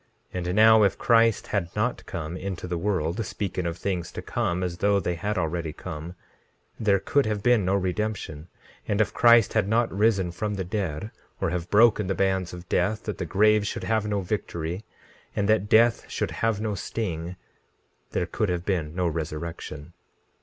16:6 And now if Christ had not come into the world, speaking of things to come as though they had already come, there could have been no redemption. 16:7 And if Christ had not risen from the dead, or have broken the bands of death that the grave should have no victory, and that death should have no sting, there could have been no resurrection.